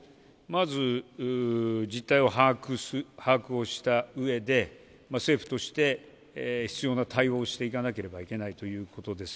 まず事態を把握をしたうえで、政府として必要な対応をしていかなければならないということです。